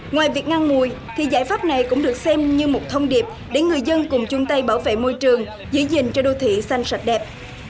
ngoài việc ngăn mùi thì giải pháp này cũng được xem như một thông điệp để người dân cùng chung tay bảo vệ môi trường giữ gìn cho đô thị xanh sạch đẹp